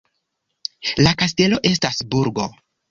La kastelo estas burgo.